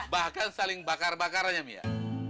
bahkan saling bakar bakarannya mia